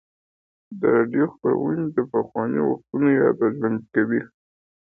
د راډیو خپرونې د پخوانیو وختونو یاد راژوندی کوي.